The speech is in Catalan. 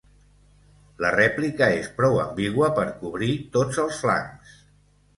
La rèplica és prou ambigua per cobrir tots els flancs.